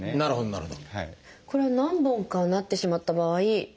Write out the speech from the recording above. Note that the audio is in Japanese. なるほど。